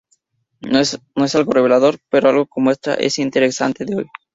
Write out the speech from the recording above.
No es algo revelador, pero como extra es interesante de oír.